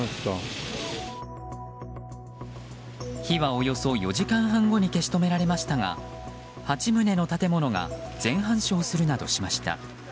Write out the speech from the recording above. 火はおよそ４時間半後に消し止められましたが８棟の建物が全半焼するなどしました。